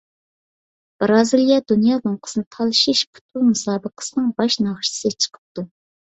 بىرازىلىيە دۇنيا لوڭقىسىنى تالىشىش پۇتبول مۇسابىقىسىنىڭ باش ناخشىسى چىقىپتۇ.